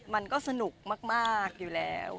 มันก็สนุกมากอยู่แล้ว